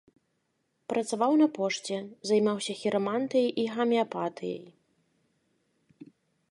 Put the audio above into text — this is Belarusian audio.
Працаваў на пошце, займаўся хірамантыяй і гамеапатыяй.